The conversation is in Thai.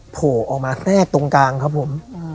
โผล่ออกมาแทรกตรงกลางครับผม